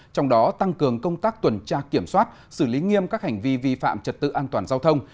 trong đó tăng cường công tác tuần tra kiểm soát xử lý nghiêm các hành vi vi phạm trật tự an toàn giao thông